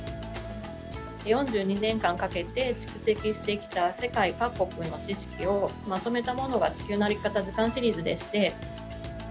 ４２年間かけて蓄積してきた世界各国の知識をまとめたものが、地球の歩き方で図鑑シリーズでして。